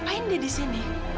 ngapain dia di sini